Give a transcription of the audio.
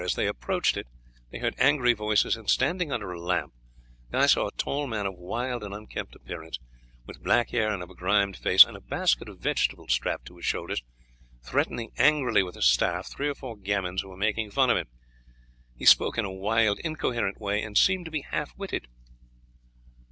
As they approached it they heard angry voices, and standing under a lamp Guy saw a tall man of wild and unkempt appearance, with black hair and a begrimed face, and a basket of vegetables strapped to his shoulders, threatening angrily with a staff three or four gamins who were making fun of him. He spoke in a wild, incoherent way, and seemed to be half witted.